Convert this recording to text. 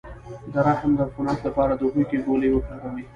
د رحم د عفونت لپاره د هوږې ګولۍ وکاروئ